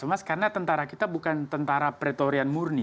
mas karena tentara kita bukan tentara pretorian murni